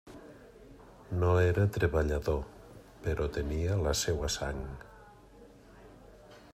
No era treballador, però tenia la seua sang.